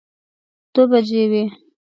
دوه بجې وې.